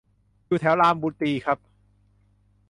อยู่แถวรามบุตรีครับ